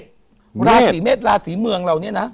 ราศีเมฆราศีเมืองเหล่านี้นะ